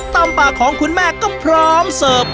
ตำปากของคุณแม่ก็พร้อมเสิร์ฟ